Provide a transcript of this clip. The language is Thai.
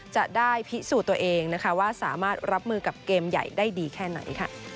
จะได้พิสูจน์ตัวเองว่าสามารถรับมือกับเกมใหญ่ได้ดีแค่ไหน